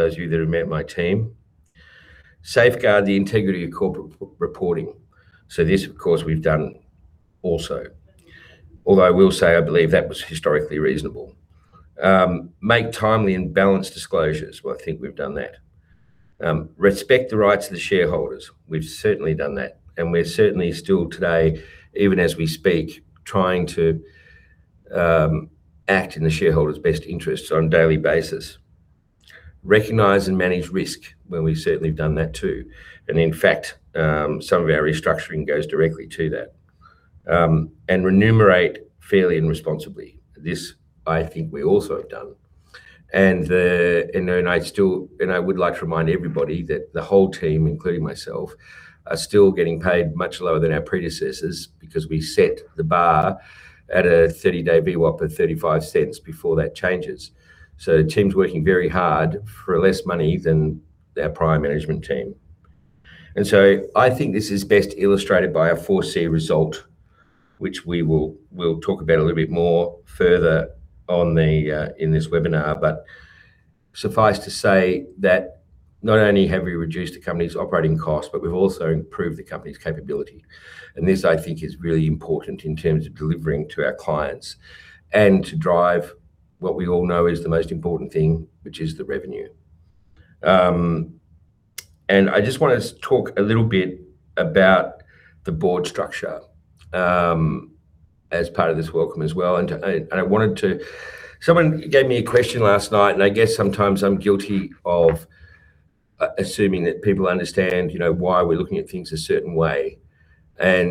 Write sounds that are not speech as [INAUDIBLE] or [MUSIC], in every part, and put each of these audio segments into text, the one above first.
Those of you that have met my team. Safeguard the integrity of corporate reporting. This, of course, we've done also. Although I will say I believe that was historically reasonable. Make timely and balanced disclosures. Well, I think we've done that. Respect the rights of the shareholders. We've certainly done that, and we're certainly still today, even as we speak, trying to act in the shareholders' best interests on a daily basis. Recognize and manage risk. Well, we've certainly done that too. In fact, some of our restructuring goes directly to that. Remunerate fairly and responsibly. This I think we also have done. I would like to remind everybody that the whole team, including myself, are still getting paid much lower than our predecessors because we set the bar at a 30-day VWAP of 0.35 before that changes. The team's working very hard for less money than our prior management team. I think this is best illustrated by our 4C result, which we'll talk about a little bit more further in this webinar. Suffice to say that not only have we reduced the company's operating cost, but we've also improved the company's capability. This, I think, is really important in terms of delivering to our clients and to drive what we all know is the most important thing, which is the revenue. I just want to talk a little bit about the board structure as part of this welcome as well. Someone gave me a question last night, and I guess sometimes I'm guilty of assuming that people understand why we're looking at things a certain way. I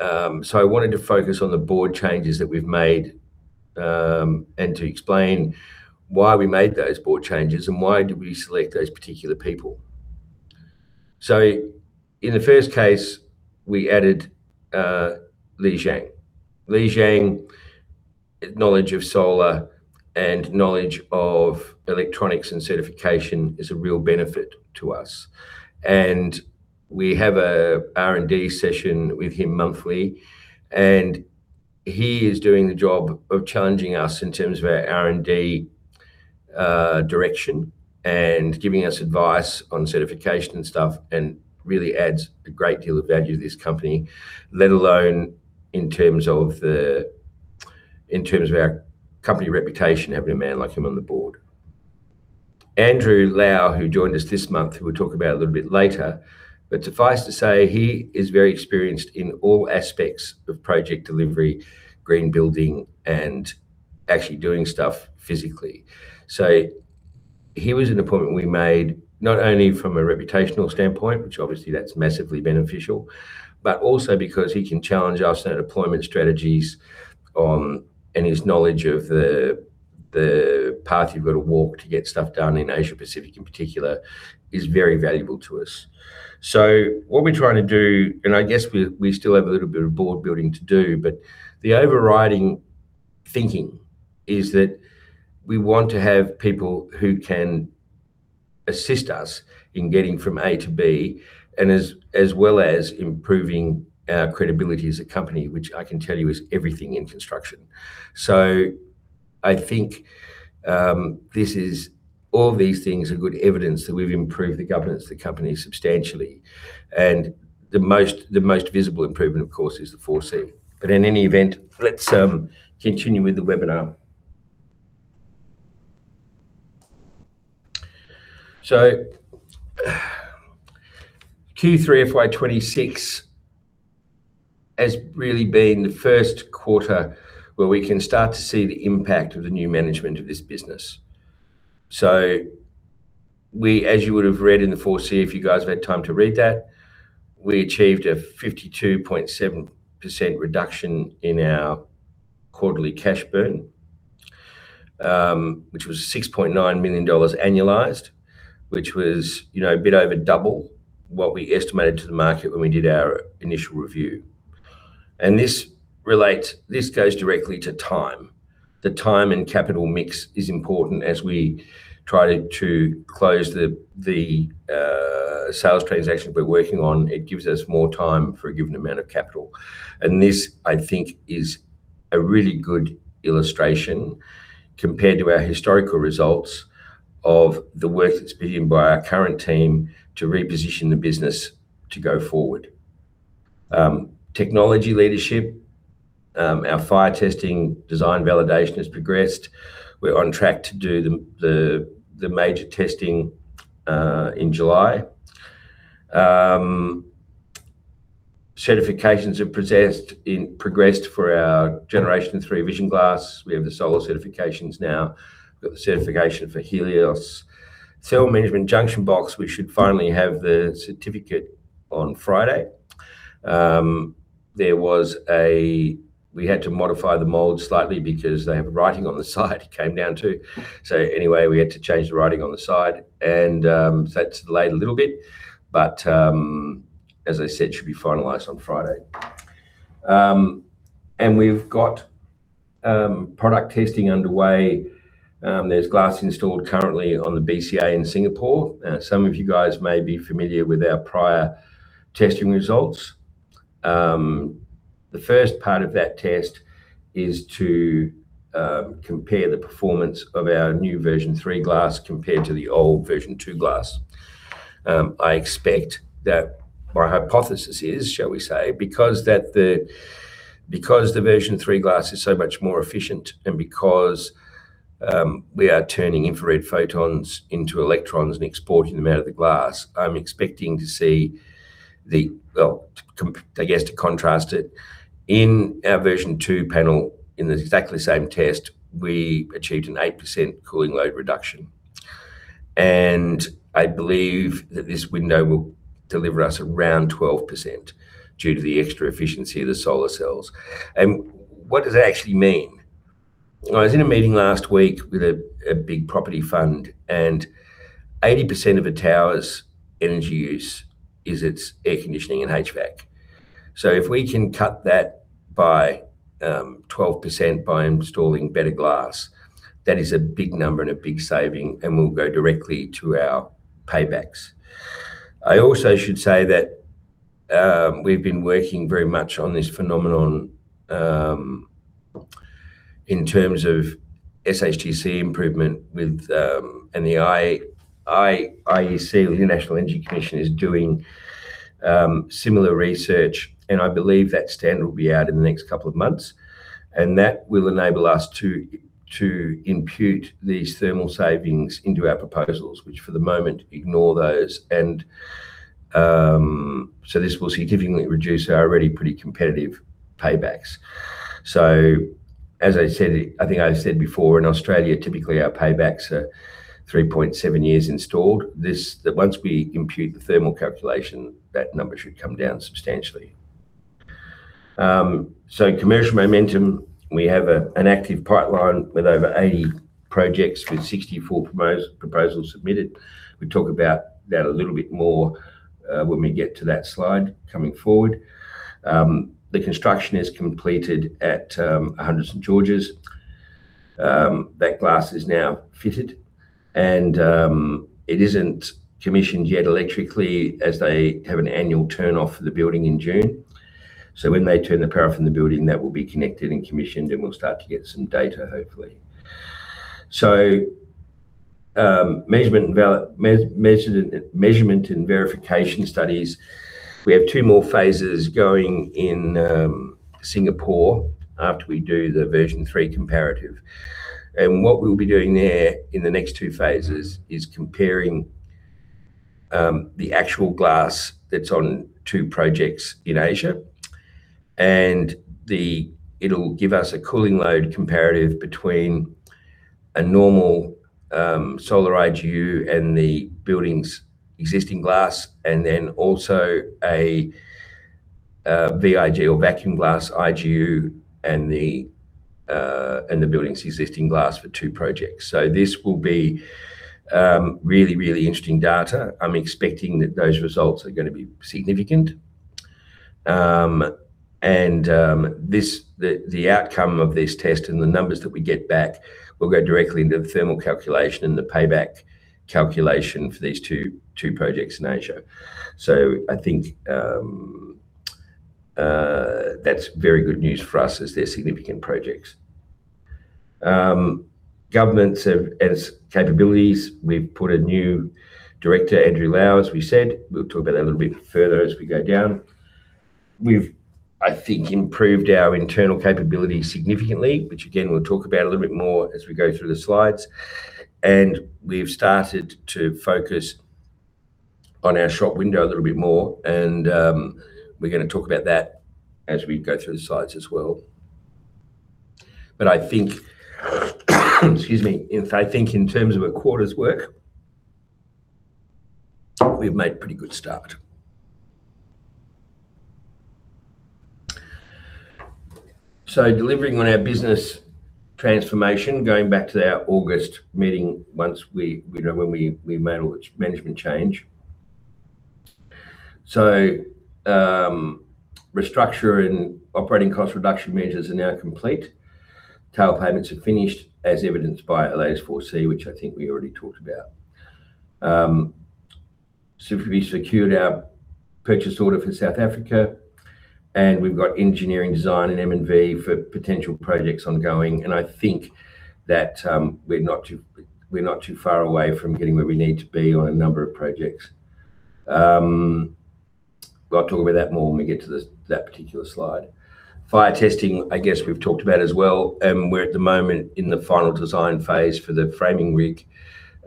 wanted to focus on the board changes that we've made, and to explain why we made those board changes and why did we select those particular people. In the first case, we added Liang Ji. Liang Ji knowledge of solar and knowledge of electronics and certification is a real benefit to us. We have a R&D session with him monthly, and he is doing the job of challenging us in terms of our R&D direction and giving us advice on certification and stuff, and really adds a great deal of value to this company, let alone in terms of our company reputation, having a man like him on the board. Andrew Lau, who joined us this month, who we'll talk about a little bit later. Suffice to say, he is very experienced in all aspects of project delivery, green building, and actually doing stuff physically. He was an appointment we made not only from a reputational standpoint, which obviously that's massively beneficial, but also because he can challenge us on deployment strategies, and his knowledge of the path you've got to walk to get stuff done in Asia-Pacific in particular, is very valuable to us. What we're trying to do, and I guess we still have a little bit of board building to do, but the overriding thinking is that we want to have people who can assist us in getting from A to B, and as well as improving our credibility as a company, which I can tell you is everything in construction. I think all these things are good evidence that we've improved the governance of the company substantially. The most visible improvement, of course, is the 4C. In any event, let's continue with the webinar. Q3 FY 2026 has really been the first quarter where we can start to see the impact of the new management of this business. As you would have read in the 4C, if you guys have had time to read that, we achieved a 52.7% reduction in our quarterly cash burn, which was 6.9 million dollars annualized, which was a bit over double what we estimated to the market when we did our initial review. This goes directly to time. The time and capital mix is important as we try to close the sales transactions we're working on. It gives us more time for a given amount of capital. This, I think, is a really good illustration compared to our historical results of the work that's been done by our current team to reposition the business to go forward. Technology leadership. Our fire testing design validation has progressed. We're on track to do the major testing in July. Certifications have progressed for our Generation 3 Vision Glass. We have the solar certifications now. We've got the certification for Helios. Cell management junction box, we should finally have the certificate on Friday. We had to modify the mold slightly because they have writing on the side it came down to. Anyway, we had to change the writing on the side and so that's delayed a little bit, but as I said, should be finalized on Friday. We've got product testing underway. There's glass installed currently on the BCA in Singapore. Some of you guys may be familiar with our prior testing results. The first part of that test is to compare the performance of our new Version 3 glass compared to the old Version 2 glass. I expect that, my hypothesis is, shall we say, because the Version 3 glass is so much more efficient and because we are turning infrared photons into electrons and exporting them out of the glass, I'm expecting to see. Well, I guess, to contrast it, in our Version 2 panel, in the exactly same test, we achieved an 8% cooling load reduction. I believe that this window will deliver us around 12% due to the extra efficiency of the solar cells. What does that actually mean? I was in a meeting last week with a big property fund, and 80% of a tower's energy use is its air conditioning and HVAC. If we can cut that by 12% by installing better glass, that is a big number and a big saving, and will go directly to our paybacks. I also should say that we've been working very much on this phenomenon in terms of SHGC improvement with... The IEC, the International Electrotechnical Commission, is doing similar research, and I believe that standard will be out in the next couple of months. That will enable us to impute these thermal savings into our proposals, which for the moment ignore those. This will significantly reduce our already pretty competitive paybacks. As I said, I think I said before, in Australia, typically our paybacks are 3.7 years installed. Once we impute the thermal calculation, that number should come down substantially. Commercial momentum, we have an active pipeline with over 80 projects with 64 proposals submitted. We talk about that a little bit more when we get to that slide coming forward. The construction is completed at 100 St Georges Terrace. That glass is now fitted, and it isn't commissioned yet electrically as they have an annual turn off of the building in June. When they turn the power off in the building, that will be connected and commissioned, and we'll start to get some data, hopefully. Measurement and verification studies. We have two more phases going in Singapore after we do the Version 3 comparative. What we'll be doing there in the next two phases is comparing the actual glass that's on two projects in Asia. It'll give us a cooling load comparative between a normal solar IGU and the building's existing glass, and then also a VIG or vacuum glass IGU and the building's existing glass for two projects. This will be really, really interesting data. I'm expecting that those results are going to be significant. The outcome of this test and the numbers that we get back will go directly into the thermal calculation and the payback calculation for these two projects in Asia. I think that's very good news for us as they're significant projects. Government and its capabilities. We've put a new director, Andrew Lau, as we said. We'll talk about that a little bit further as we go down. We've, I think, improved our internal capability significantly, which again, we'll talk about a little bit more as we go through the slides. We've started to focus on our shop window a little bit more, and we're going to talk about that as we go through the slides as well. I think excuse me. I think in terms of a quarter's work, we've made a pretty good start. Delivering on our business transformation, going back to our August meeting when we made all the management change. Restructure and operating cost reduction measures are now complete. Tail payments are finished, as evidenced by [Alais 4C], which I think we already talked about. [SuperV] secured our purchase order for South Africa, and we've got engineering design and M&V for potential projects ongoing, and I think that we're not too far away from getting where we need to be on a number of projects. We'll have to talk about that more when we get to that particular slide. Fire testing, I guess we've talked about as well. We're at the moment in the final design phase for the framing rig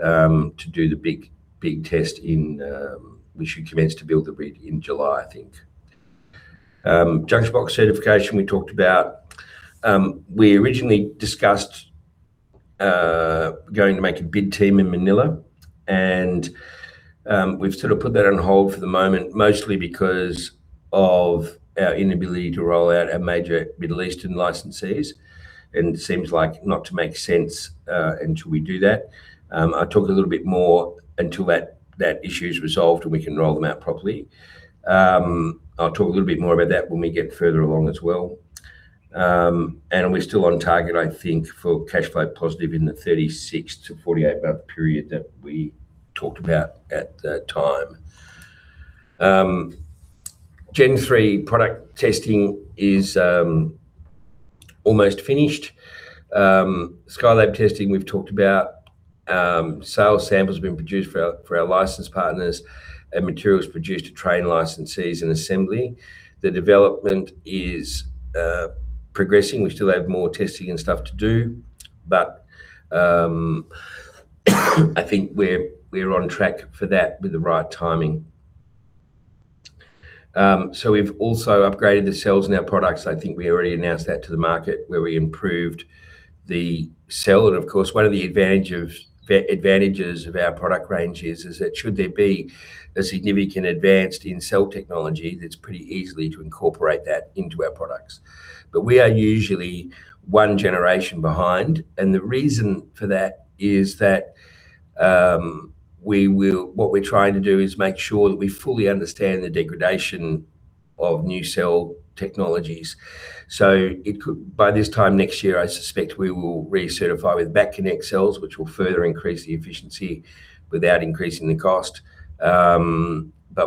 to do the big test in. We should commence to build the rig in July, I think. Junction box certification we talked about. We originally discussed going to make a build team in Manila, and we've sort of put that on hold for the moment, mostly because of our inability to roll out our major Middle Eastern licensees. It seems like not to make sense until we do that. I'll talk a little bit more until that issue is resolved and we can roll them out properly. I'll talk a little bit more about that when we get further along as well. We're still on target, I think, for cash flow positive in the 36-48 month period that we talked about at that time. Gen 3 product testing is almost finished. SkyLab testing, we've talked about. Sales samples have been produced for our license partners, and materials produced to train licensees and assembly. The development is progressing. We still have more testing and stuff to do, but I think we're on track for that with the right timing. We've also upgraded the cells in our products. I think we already announced that to the market, where we improved the cell. Of course, one of the advantages of our product range is that should there be a significant advance in cell technology, it's pretty easy to incorporate that into our products. We are usually one generation behind. The reason for that is that what we're trying to do is make sure that we fully understand the degradation of new cell technologies. By this time next year, I suspect we will recertify with back-contact cells, which will further increase the efficiency without increasing the cost.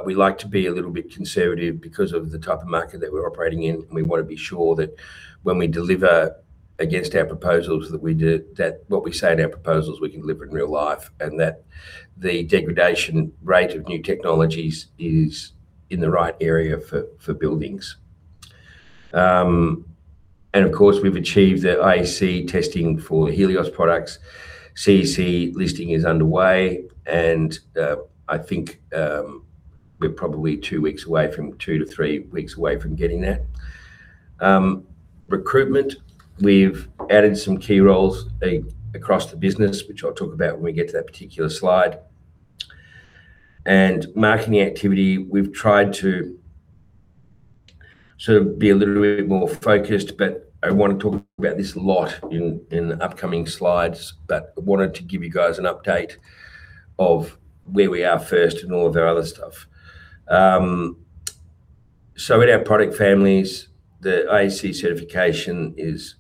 We like to be a little bit conservative because of the type of market that we're operating in. We want to be sure that when we deliver against our proposals, that what we say in our proposals we can deliver in real life, and that the degradation rate of new technologies is in the right area for buildings. Of course, we've achieved the IEC testing for Helios products. CEC listing is underway, and I think we're probably two to three weeks away from getting that. Recruitment. We've added some key roles across the business, which I'll talk about when we get to that particular slide. Marketing activity, we've tried to be a little bit more focused, but I want to talk about this a lot in the upcoming slides. I wanted to give you guys an update of where we are first and all of our other stuff. With our product families, the IEC certification is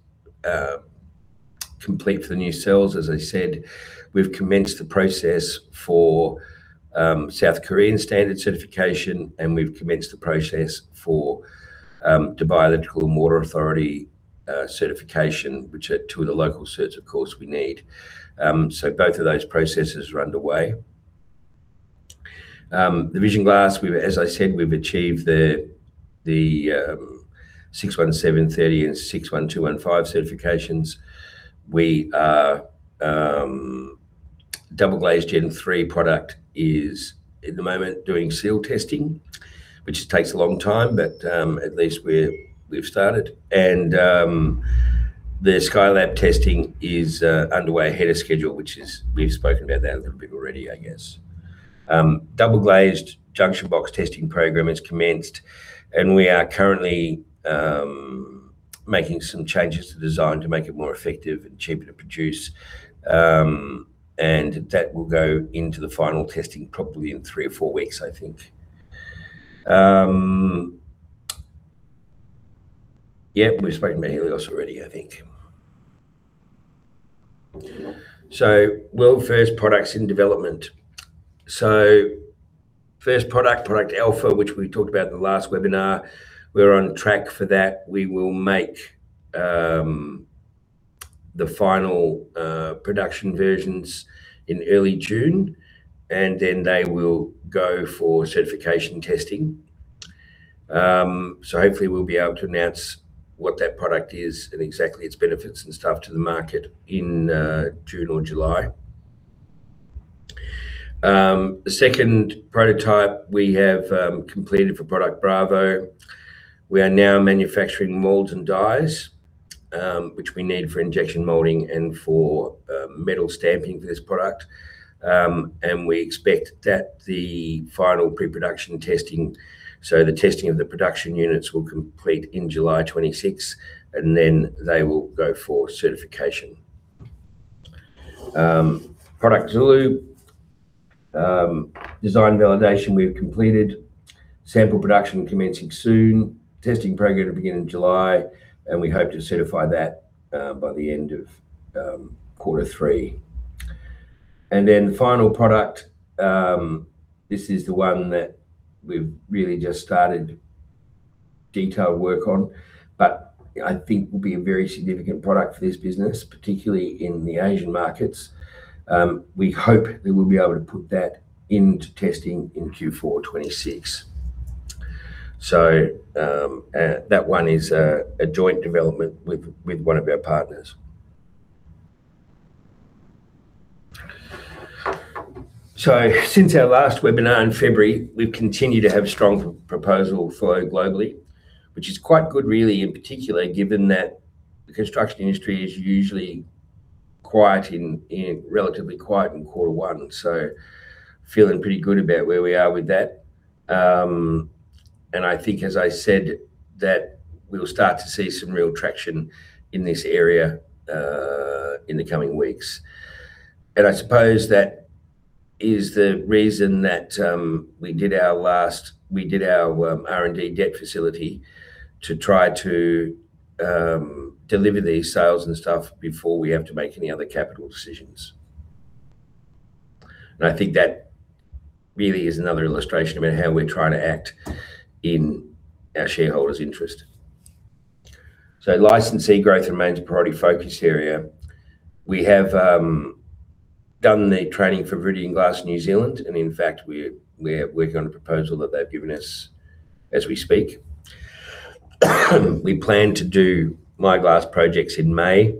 complete for the new cells. As I said, we've commenced the process for South Korean standard certification, and we've commenced the process for [AUDIO DISTORTION] Authority certification, which are two of the local certs of course we need. Both of those processes are underway. The Vision Glass, as I said, we've achieved the IEC 61730 and IEC 61215 certifications. Double glazed Gen3 product is, at the moment, doing seal testing, which takes a long time, but at least we've started. The BCA SkyLab testing is underway ahead of schedule, which we've spoken about that a little bit already, I guess. Double glazed junction box testing program has commenced, and we are currently making some changes to design to make it more effective and cheaper to produce. That will go into the final testing probably in three or four weeks, I think. Yeah, we've spoken about Helios already, I think. World first products in development. First product Alpha, which we talked about in the last webinar, we're on track for that. We will make the final production versions in early June, and then they will go for certification testing. Hopefully we'll be able to announce what that product is and exactly its benefits and stuff to the market in June or July. The second prototype we have completed for product Bravo. We are now manufacturing molds and dies, which we need for injection molding and for metal stamping for this product. We expect that the final pre-production testing, so the testing of the production units will complete in July 2026, and then they will go for certification. [Product Zulu], design validation we've completed. Sample production commencing soon. Testing program to begin in July, and we hope to certify that by the end of quarter three. Then final product, this is the one that we've really just started detailed work on. I think will be a very significant product for this business, particularly in the Asian markets. We hope that we'll be able to put that into testing in Q4 2026. That one is a joint development with one of our partners. Since our last webinar in February, we've continued to have strong proposal flow globally, which is quite good really, in particular, given that the construction industry is usually relatively quiet in quarter one. Feeling pretty good about where we are with that. I think, as I said, that we'll start to see some real traction in this area in the coming weeks. I suppose that is the reason that we did our R&D debt facility to try to deliver these sales and stuff before we have to make any other capital decisions. I think that really is another illustration about how we're trying to act in our shareholders' interest. Licensee growth remains a priority focus area. We have done the training for Viridian Glass New Zealand, and in fact, we're working on a proposal that they've given us as we speak. We plan to do My Glass Projects in May.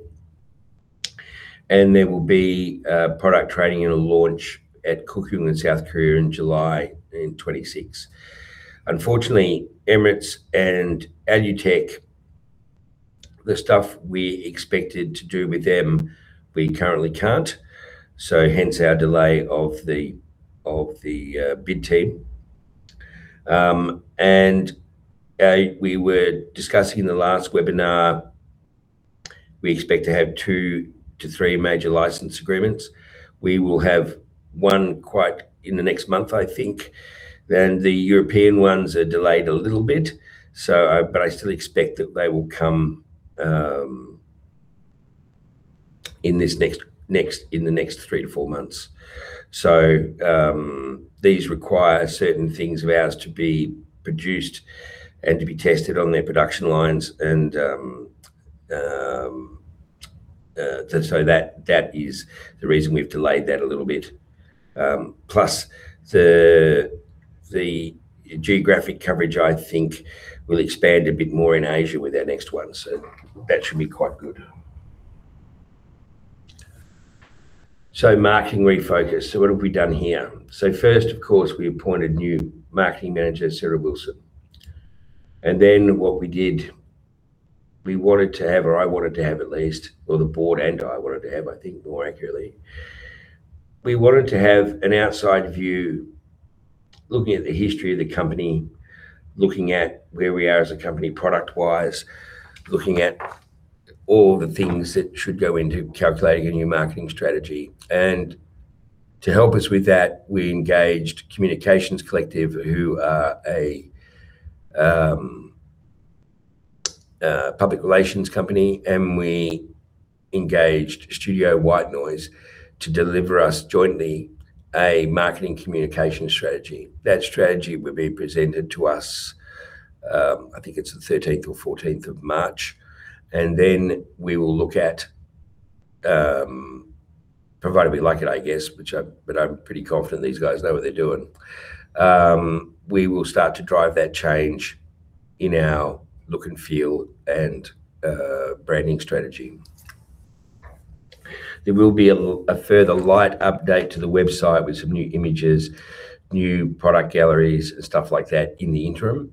There will be product training and a launch at Kukyoung in South Korea in July 2026. Unfortunately, Emirates Glass and Alutec, the stuff we expected to do with them, we currently can't. Hence our delay of the bid team. We were discussing in the last webinar, we expect to have 2-3 major license agreements. We will have one signed in the next month, I think. The European ones are delayed a little bit. I still expect that they will come in the next three to four months. These require certain things of ours to be produced and to be tested on their production lines. That is the reason we've delayed that a little bit. Plus the geographic coverage, I think, will expand a bit more in Asia with our next one. That should be quite good. Marketing refocus. What have we done here? First, of course, we appointed new Marketing Manager, Sarah Wilson. Then what we did, we wanted to have, or I wanted to have at least, or the board and I wanted to have, I think, more accurately. We wanted to have an outside view, looking at the history of the company, looking at where we are as a company product-wise, looking at all the things that should go into calculating a new marketing strategy. To help us with that, we engaged Communications Collective, who are a public relations company, and we engaged Studio White Noise to deliver us jointly a marketing communication strategy. That strategy will be presented to us, I think it's the 13th or 14th of March. We will look at, provided we like it, I guess, but I'm pretty confident these guys know what they're doing. We will start to drive that change in our look and feel and branding strategy. There will be a further light update to the website with some new images, new product galleries and stuff like that in the interim.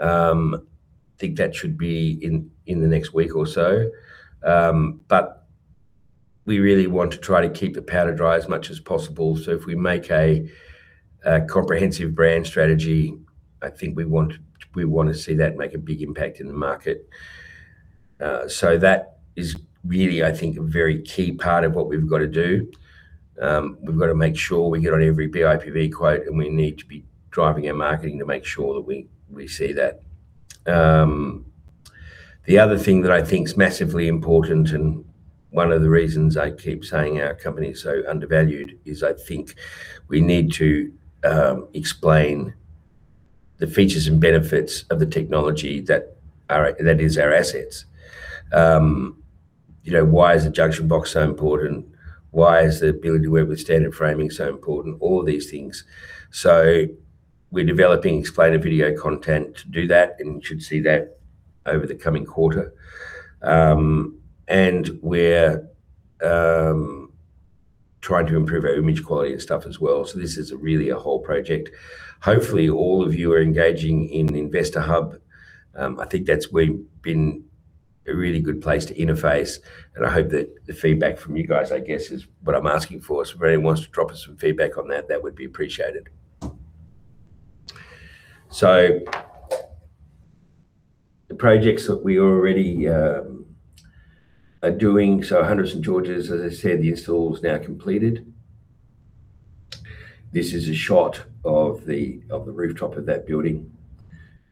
I think that should be in the next week or so. We really want to try to keep the powder dry as much as possible. If we make a comprehensive brand strategy, I think we want to see that make a big impact in the market. That is really, I think, a very key part of what we've got to do. We've got to make sure we get on every BIPV quote, and we need to be driving our marketing to make sure that we see that. The other thing that I think is massively important, and one of the reasons I keep saying our company is so undervalued, is I think we need to explain the features and benefits of the technology that is our assets. Why is a junction box so important? Why is the ability to work with standard framing so important? All these things. We're developing explainer video content to do that, and you should see that over the coming quarter. We're trying to improve our image quality and stuff as well. This is really a whole project. Hopefully, all of you are engaging in Investor Hub. I think that's been a really good place to interface, and I hope that the feedback from you guys, I guess, is what I'm asking for. If anyone wants to drop us some feedback on that would be appreciated. The projects that we already are doing, 100 St Georges Terrace, as I said, the install is now completed. This is a shot of the rooftop of that building.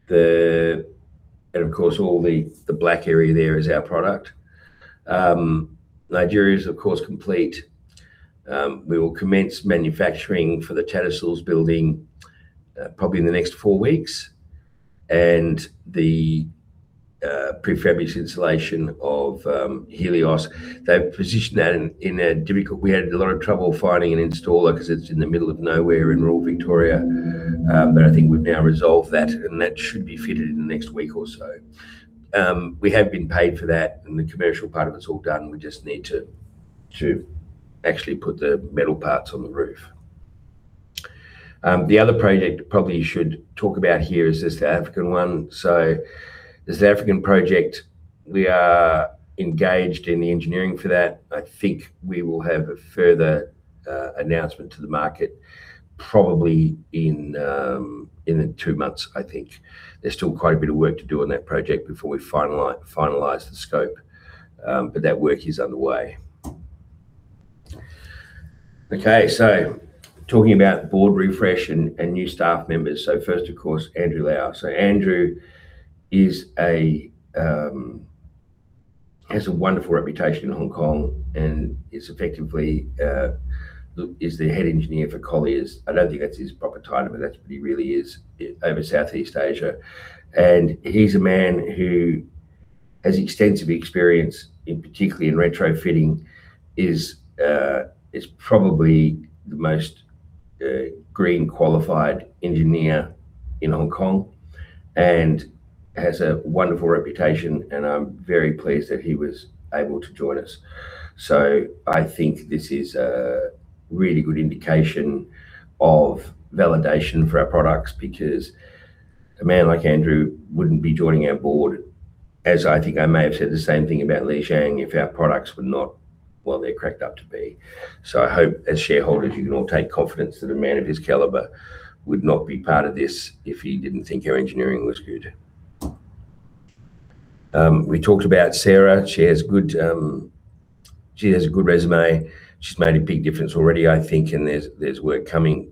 Of course, all the black area there is our product. The area is, of course, complete. We will commence manufacturing for the Tattersalls building probably in the next four weeks. The prefabricated installation of Helios. They've positioned that. We had a lot of trouble finding an installer because it's in the middle of nowhere in rural Victoria. I think we've now resolved that, and that should be fitted in the next week or so. We have been paid for that, and the commercial part of it's all done. We just need to actually put the metal parts on the roof. The other project probably you should talk about here is the South African one. The South African project, we are engaged in the engineering for that. I think we will have a further announcement to the market. Probably in two months, I think. There's still quite a bit of work to do on that project before we finalize the scope. That work is underway. Okay. Talking about board refresh and new staff members. First, of course, Andrew Lau. Andrew has a wonderful reputation in Hong Kong and is effectively the head engineer for Colliers. I don't think that's his proper title, but that's what he really is over Southeast Asia. He's a man who has extensive experience, particularly in retrofitting. He is probably the most green qualified engineer in Hong Kong and has a wonderful reputation, and I'm very pleased that he was able to join us. I think this is a really good indication of validation for our products, because a man like Andrew wouldn't be joining our board, as I think I may have said the same thing about Liang Ji, if our products were not what they're cracked up to be. I hope, as shareholders, you can all take confidence that a man of his caliber would not be part of this if he didn't think our engineering was good. We talked about Sarah. She has a good resume. She's made a big difference already, I think. There's work coming.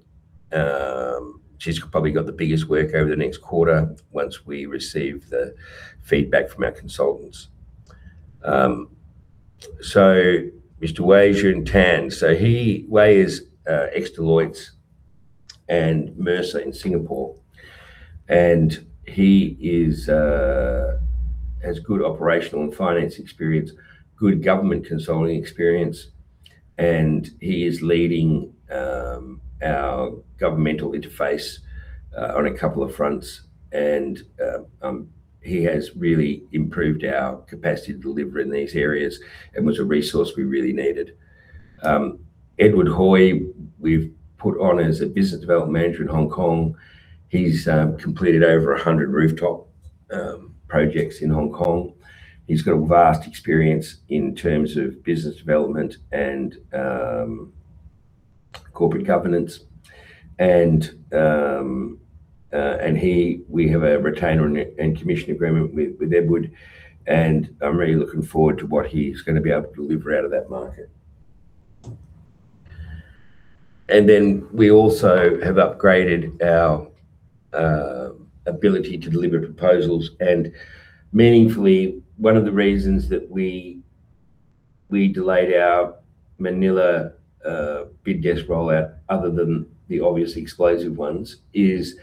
She's probably got the biggest work over the next quarter once we receive the feedback from our consultants. Mr. Wei Xuan Tan. Wei is ex Deloitte and Mercer in Singapore. He has good operational and finance experience, good government consulting experience, and he is leading our governmental interface on a couple of fronts. He has really improved our capacity to deliver in these areas and was a resource we really needed. [Edward Hoi], we've put on as a business development manager in Hong Kong. He's completed over 100 rooftop projects in Hong Kong. He's got vast experience in terms of business development and corporate governance. We have a retainer and commission agreement with Edward, and I'm really looking forward to what he's going to be able to deliver out of that market. We also have upgraded our ability to deliver proposals. Meaningfully, one of the reasons that we delayed our Manila bid desk rollout, other than the obvious explosive ones, is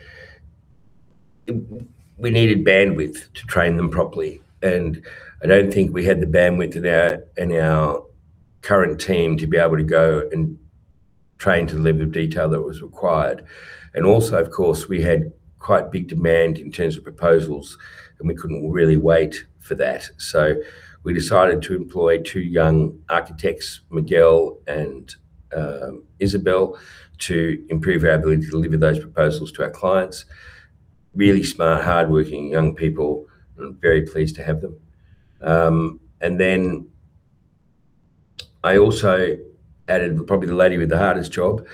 we needed bandwidth to train them properly. I don't think we had the bandwidth in our current team to be able to go and train to the level of detail that was required. Also, of course, we had quite big demand in terms of proposals, and we couldn't really wait for that. We decided to employ two young architects, Miguel and Isabelle, to improve our ability to deliver those proposals to our clients. Really smart, hardworking young people. I'm very pleased to have them. Then I also added probably the lady with the hardest job.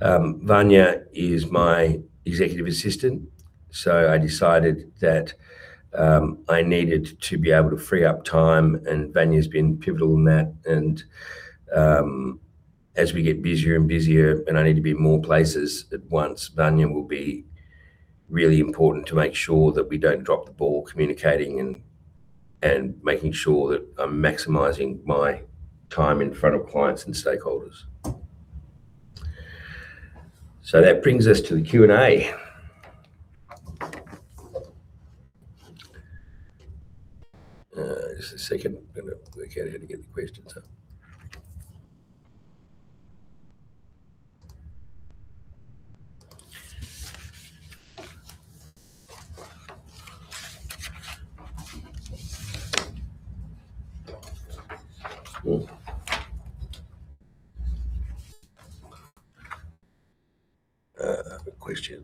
[Vanya] is my executive assistant. I decided that I needed to be able to free up time, and Vanya's been pivotal in that. As we get busier and busier and I need to be more places at once, Vanya will be really important to make sure that we don't drop the ball communicating and making sure that I'm maximizing my time in front of clients and stakeholders. That brings us to the Q&A. Just a second. I'm going to work out how to get the questions up. Questions.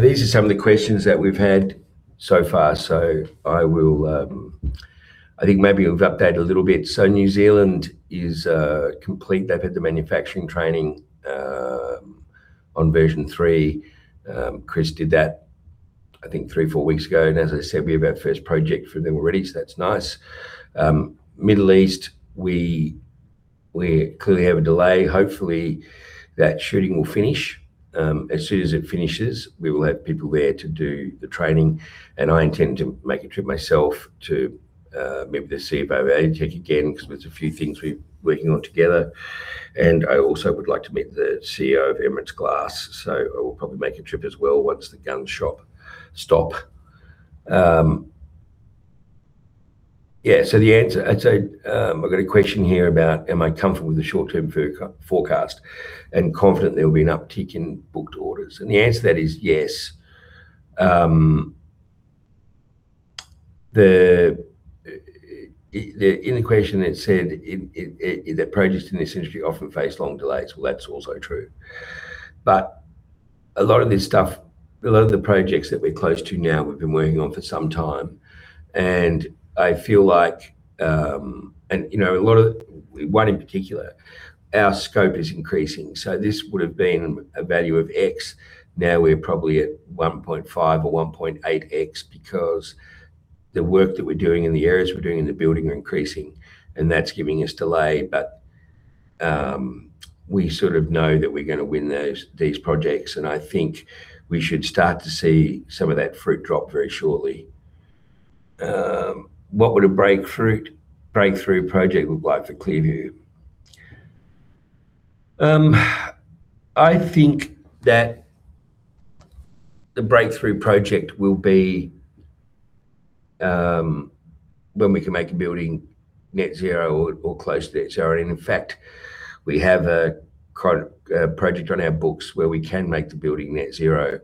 These are some of the questions that we've had so far. I think maybe we've updated a little bit. New Zealand is complete. They've had the manufacturing training on Version 3. Chris did that I think three or four weeks ago. As I said, we have our first project for them already, so that's nice. Middle East, we clearly have a delay. Hopefully, that shooting will finish. As soon as it finishes, we will have people there to do the training. I intend to make a trip myself to meet with the [CFO of ATech] again, because there's a few things we're working on together. I also would like to meet the CEO of Emirates Glass, so I will probably make a trip as well once the gunshots stop. I've got a question here about am I comfortable with the short-term forecast and confident there will be an uptick in booked orders? The answer to that is yes. In the question, it said that projects in this industry often face long delays. Well, that's also true. But a lot of this stuff, a lot of the projects that we're close to now, we've been working on for some time. I feel like, one in particular, our scope is increasing. This would've been a value of x, now we're probably at 1.5x or 1.8x because the work that we're doing and the hours we're doing in the building are increasing, and that's giving us delay. We sort of know that we're going to win these projects, and I think we should start to see some of that fruit drop very shortly. What would a breakthrough project look like for ClearVue? I think that the breakthrough project will be when we can make a building net zero or close to net zero. In fact, we have a project on our books where we can make the building net zero.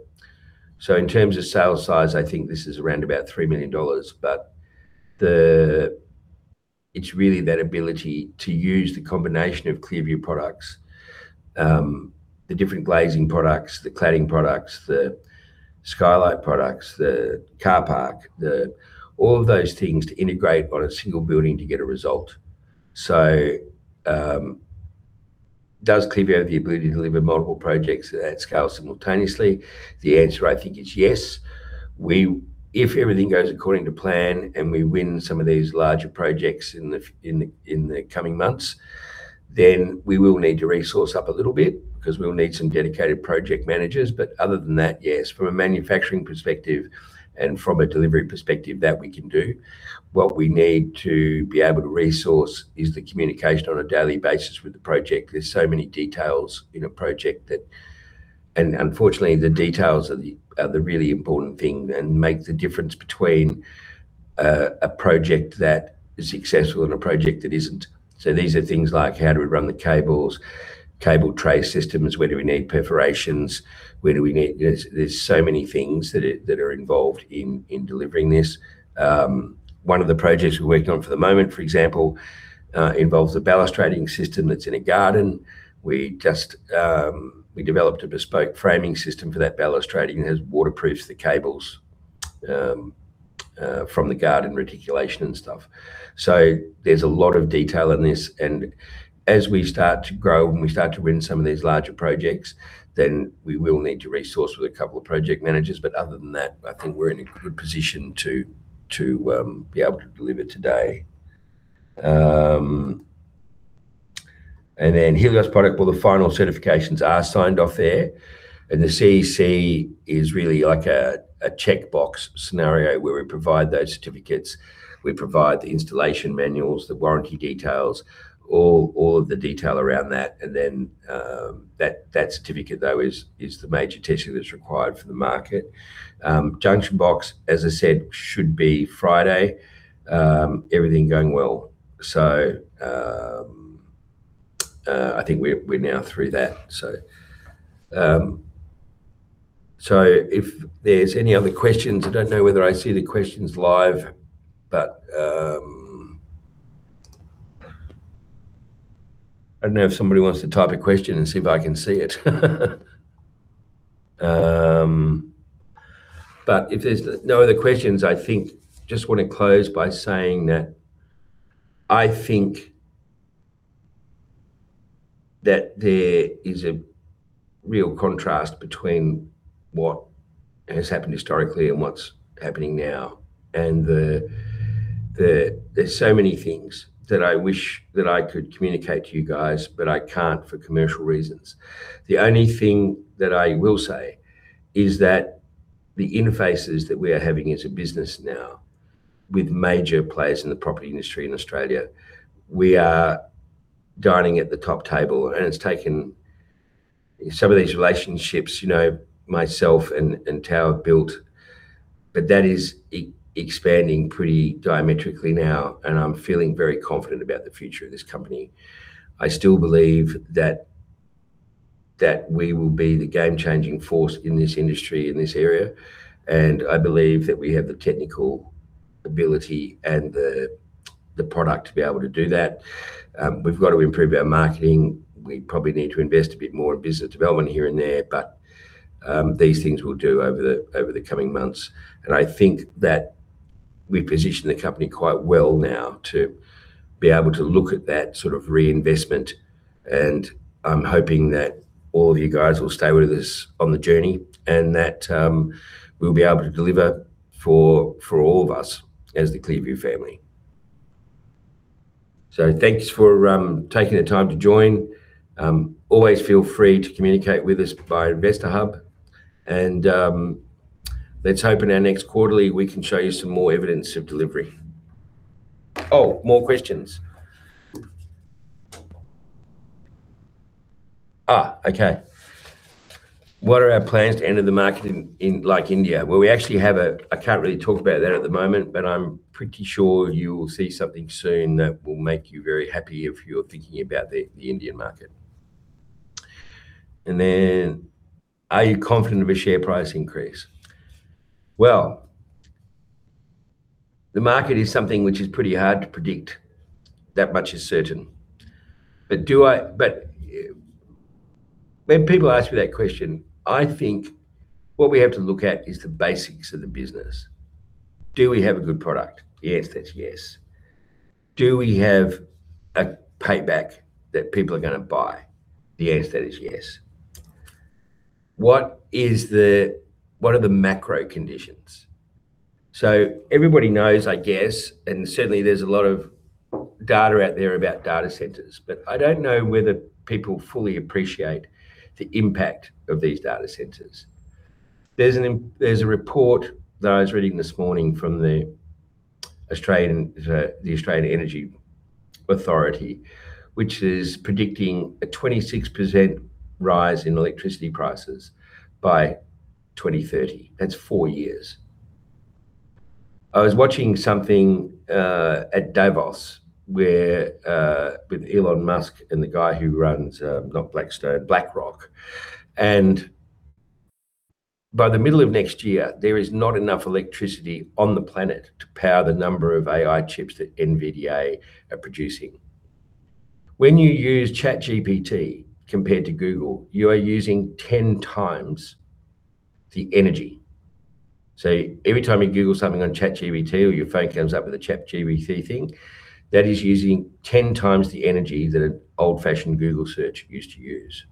In terms of sale size, I think this is around about 3 million dollars. It's really that ability to use the combination of ClearVue products, the different glazing products, the cladding products, the skylight products, the car park, all of those things to integrate on a single building to get a result. Does ClearVue have the ability to deliver multiple projects at that scale simultaneously? The answer, I think, is yes. If everything goes according to plan and we win some of these larger projects in the coming months, then we will need to resource up a little bit because we'll need some dedicated project managers. Other than that, yes, from a manufacturing perspective and from a delivery perspective, that we can do. What we need to be able to resource is the communication on a daily basis with the project. There's so many details in a project. Unfortunately, the details are the really important thing and make the difference between a project that is successful and a project that isn't. These are things like how do we run the cables, cable tray systems, where do we need perforations? There's so many things that are involved in delivering this. One of the projects we're working on for the moment, for example, involves a balustrading system that's in a garden. We developed a bespoke framing system for that balustrading that waterproofs the cables from the garden reticulation and stuff. There's a lot of detail in this, and as we start to grow and we start to win some of these larger projects, then we will need to resource with a couple of project managers. Other than that, I think we're in a good position to be able to deliver today. Then Helios product. Well, the final certifications are signed off there. The CEC is really like a checkbox scenario where we provide those certificates, we provide the installation manuals, the warranty details, all of the detail around that. That certificate though is the major testing that's required for the market. Junction box, as I said, should be Friday, everything going well. I think we're now through that. If there's any other questions. I don't know whether I see the questions live, but I don't know if somebody wants to type a question and see if I can see it. If there's no other questions, I think I just want to close by saying that I think that there is a real contrast between what has happened historically and what's happening now. There's so many things that I wish that I could communicate to you guys, but I can't for commercial reasons. The only thing that I will say is that the interfaces that we are having as a business now with major players in the property industry in Australia, we are dining at the top table, and it's taken some of these relationships, myself and Tao have built. That is expanding pretty dramatically now, and I'm feeling very confident about the future of this company. I still believe that we will be the game-changing force in this industry, in this area, and I believe that we have the technical ability and the product to be able to do that. We've got to improve our marketing. We probably need to invest a bit more in business development here and there. These things we'll do over the coming months. I think that we've positioned the company quite well now to be able to look at that sort of reinvestment, and I'm hoping that all of you guys will stay with us on the journey, and that we'll be able to deliver for all of us as the ClearVue family. Thanks for taking the time to join. Always feel free to communicate with us via Investor Hub. Let's hope in our next quarterly, we can show you some more evidence of delivery. More questions. Okay. What are our plans to enter the market in India? Well, I can't really talk about that at the moment, but I'm pretty sure you will see something soon that will make you very happy if you're thinking about the Indian market. Then, are you confident of a share price increase? Well, the market is something which is pretty hard to predict. That much is certain. When people ask me that question, I think what we have to look at is the basics of the business. Do we have a good product? The answer to that is yes. Do we have a payback that people are going to buy? The answer to that is yes. What are the macro conditions? Everybody knows, I guess, and certainly there's a lot of data out there about data centers. I don't know whether people fully appreciate the impact of these data centers. There's a report that I was reading this morning from the Australian Energy Market Operator, which is predicting a 26% rise in electricity prices by 2030. That's four years. I was watching something at Davos with Elon Musk and the guy who runs, not Blackstone, BlackRock. By the middle of next year, there is not enough electricity on the planet to power the number of AI chips that NVIDIA are producing. When you use ChatGPT compared to Google, you are using 10 times the energy. Every time you google something on ChatGPT or your phone comes up with a ChatGPT thing, that is using 10 times the energy that an old-fashioned Google search used to use.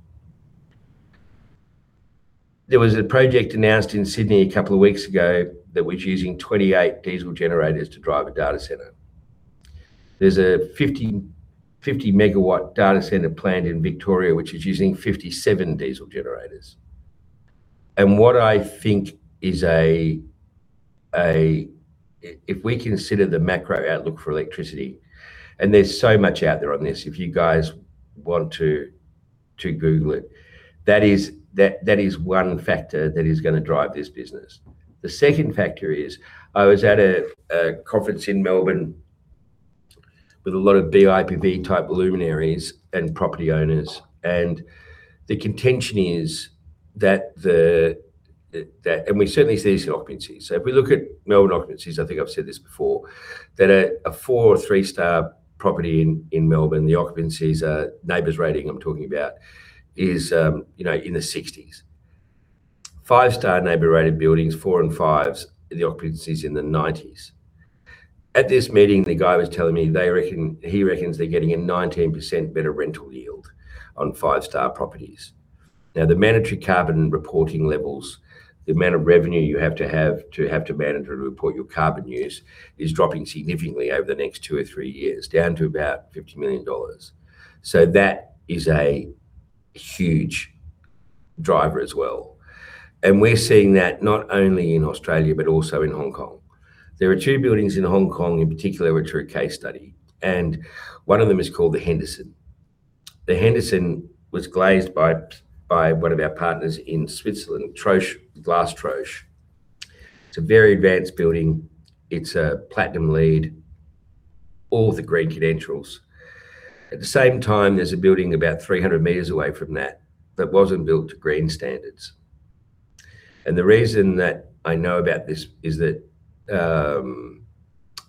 There was a project announced in Sydney a couple of weeks ago that was using 28 diesel generators to drive a data center. There's a 50 MW data center planned in Victoria, which is using 57 diesel generators. What I think is, if we consider the macro outlook for electricity, and there's so much out there on this, if you guys want to google it, that is one factor that is going to drive this business. The second factor is, I was at a conference in Melbourne with a lot of BIPV type luminaries and property owners, and the contention is that we certainly see this in occupancies. If we look at Melbourne occupancies, I think I've said this before, that a four or three star property in Melbourne, the occupancies, NABERS rating I'm talking about is in the 60s. Five star NABERS-rated buildings, four and fives, the occupancy is in the 90s. At this meeting, the guy was telling me he reckons they're getting a 19% better rental yield on five star properties. Now, the mandatory carbon reporting levels, the amount of revenue you have to have to manage or report your carbon use is dropping significantly over the next two or three years, down to about 50 million dollars. That is a huge driver as well. We're seeing that not only in Australia, but also in Hong Kong. There are two buildings in Hong Kong in particular, which are a case study, and one of them is called The Henderson. The Henderson was glazed by one of our partners in Switzerland, Glas Trösch. It's a very advanced building. It's a Platinum LEED, all the green credentials. At the same time, there's a building about 300 m away from that wasn't built to green standards. The reason that I know about this is that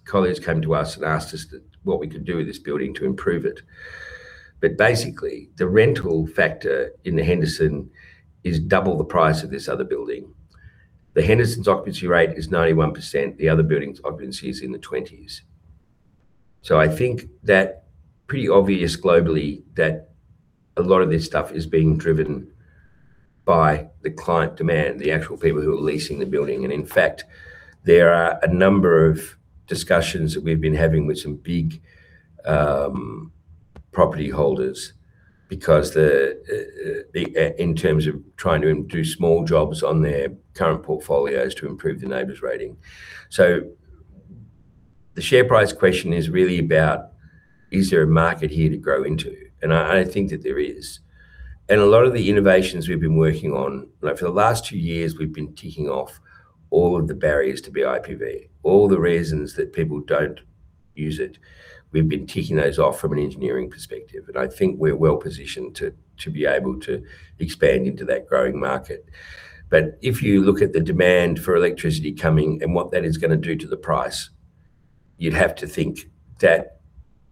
colleagues came to us and asked us what we could do with this building to improve it. Basically, the rental factor in the Henderson is double the price of this other building. The Henderson's occupancy rate is 91%. The other building's occupancy is in the 20s. I think it's pretty obvious globally that a lot of this stuff is being driven by the client demand, the actual people who are leasing the building. In fact, there are a number of discussions that we've been having with some big property holders in terms of trying to do small jobs on their current portfolios to improve the NABERS rating. The share price question is really about, is there a market here to grow into? I think that there is. A lot of the innovations we've been working on, for the last two years, we've been ticking off all of the barriers to BIPV, all the reasons that people don't use it. We've been ticking those off from an engineering perspective, and I think we're well-positioned to be able to expand into that growing market. If you look at the demand for electricity coming and what that is going to do to the price, you'd have to think that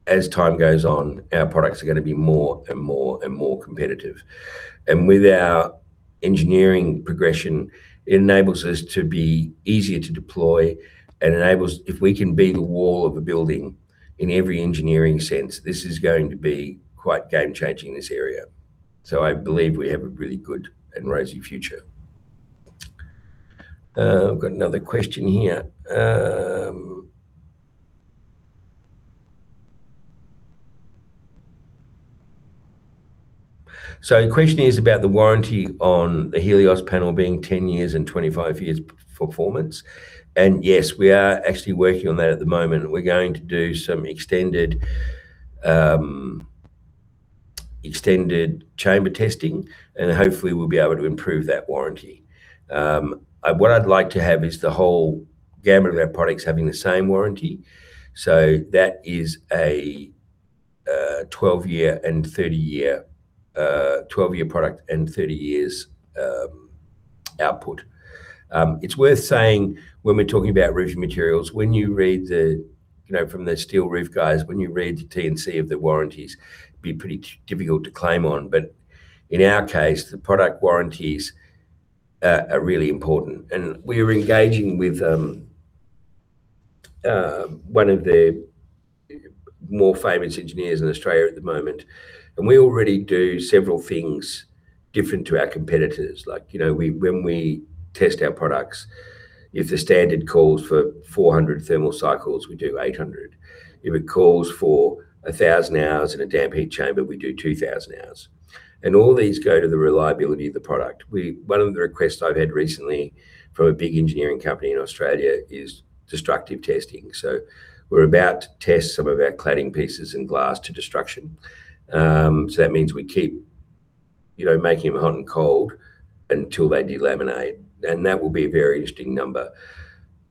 as time goes on, our products are going to be more and more and more competitive. With our engineering progression, it enables us to be easier to deploy and enables if we can be the wall of a building in every engineering sense, this is going to be quite game-changing in this area. I believe we have a really good and rosy future. I've got another question here. The question is about the warranty on the Helios panel being 10 years and 25 years performance, and yes, we are actually working on that at the moment. We're going to do some extended chamber testing, and hopefully we'll be able to improve that warranty. What I'd like to have is the whole gamut of our products having the same warranty. That is a 12-year product and 30 years output. It's worth saying when we're talking about roofing materials, from the steel roof guys, when you read the T&C of the warranties, it'd be pretty difficult to claim on. In our case, the product warranties are really important. We're engaging with one of the more famous engineers in Australia at the moment. We already do several things different to our competitors. When we test our products, if the standard calls for 400 thermal cycles, we do 800. If it calls for 1,000 hours in a damp heat chamber, we do 2,000 hours. All these go to the reliability of the product. One of the requests I've had recently from a big engineering company in Australia is destructive testing. We're about to test some of our cladding pieces in glass to destruction. That means we keep making them hot and cold until they delaminate, and that will be a very interesting number.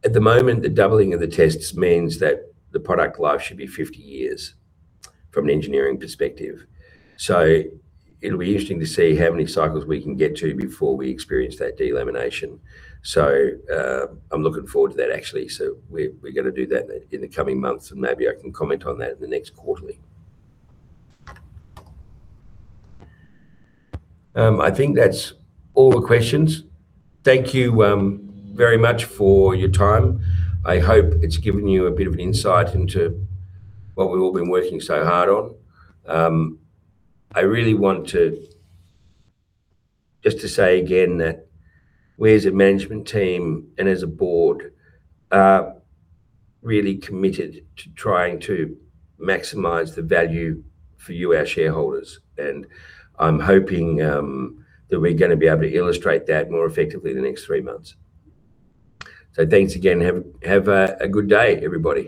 At the moment, the doubling of the tests means that the product life should be 50 years from an engineering perspective. It'll be interesting to see how many cycles we can get to before we experience that delamination. I'm looking forward to that, actually. We're going to do that in the coming months, and maybe I can comment on that in the next quarterly. I think that's all the questions. Thank you very much for your time. I hope it's given you a bit of an insight into what we've all been working so hard on. I really want just to say again that we, as a management team and as a board, are really committed to trying to maximize the value for you, our shareholders. I'm hoping that we're going to be able to illustrate that more effectively in the next three months. Thanks again. Have a good day, everybody.